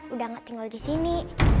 udah gak tinggal disini